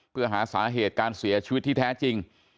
เพื่อหาสาเหตุการเสียชีวิตที่แท้จริง